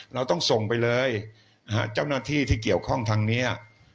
เราต้องส่งไปเลยนะฮะเจ้าหน้าที่ที่เกี่ยวข้องทางนี้